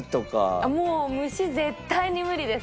もう虫絶対に無理です。